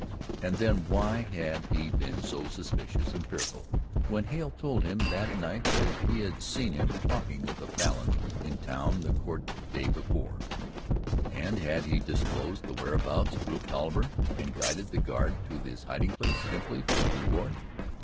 And then why had he been so suspicious and fearful when Hale told him that night that he had seen him talking with a Falin in town the Court day before, and had he disclosed the whereabouts of Rufe Tolliver and guided the guard to his hiding place simply for the reward?